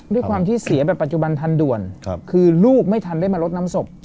ด้วยความที่เสียแบบปัจจุบันทันด่วนคือลูกไม่ทันได้มาลดน้ำศพ